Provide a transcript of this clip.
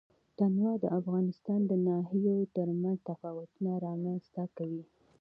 تنوع د افغانستان د ناحیو ترمنځ تفاوتونه رامنځ ته کوي.